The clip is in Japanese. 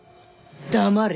黙れ。